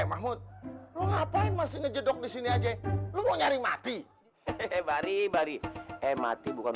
eh mahmud ngapain masih ngedok disini aja lo nyari mati hehehe bari bari eh mati bukan